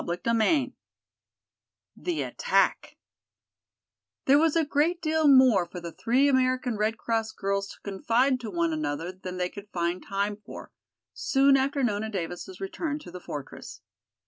CHAPTER IX The Attack There was a great deal more for the three American Red Cross girls to confide to one another than they could find time for, soon after Nona Davis' return to the fortress.